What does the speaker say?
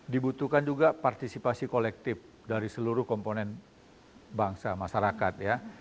dibutuhkan juga partisipasi kolektif dari seluruh komponen bangsa masyarakat ya